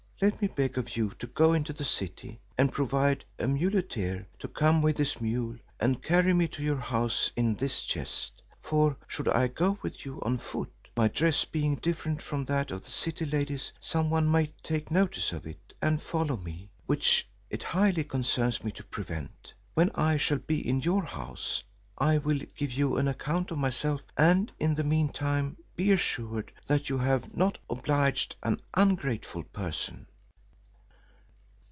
Let me beg of you to go into the city, and provide a muleteer, to come with his mule, and carry me to your house in this chest; for, should I go with you on foot, my dress being different from that of the city ladies, some one might take notice of it, and follow me, which it highly concerns me to prevent. When I shall be in your house, I will give you an account of myself; and in the mean time be assured that you have not obliged an ungrateful person."